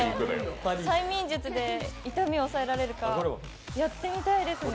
催眠術で痛みを抑えられるかやってみたいですね。